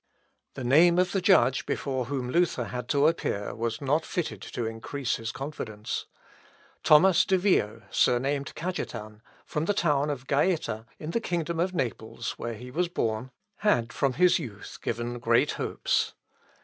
The name of the judge before whom Luther had to appear was not fitted to increase his confidence. Thomas de Vio surnamed Cajetan, from the town of Gaeta, in the kingdom of Naples, where he was born, had, from his youth, given great hopes.